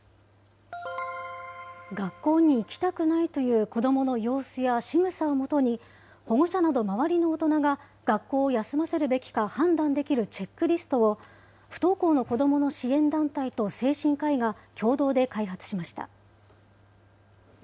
学校に行きたくないという子どもの様子やしぐさをもとに、保護者など周りの大人が学校を休ませるべきか判断できるチェックリストを、不登校の子どもの支援団体と精神科医が共同で開発しました。